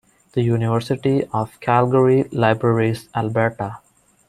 The University of Calgary Libraries, Alberta.